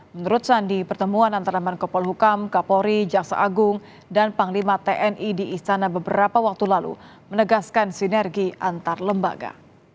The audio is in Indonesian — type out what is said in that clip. menurut sandi pertemuan antara menko polhukam kapolri jaksa agung dan panglima tni di istana beberapa waktu lalu menegaskan sinergi antar lembaga